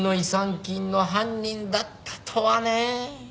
金の犯人だったとはね。